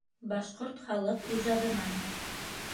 БАШҠОРТ ХАЛЫҠ ИЖАДЫНАН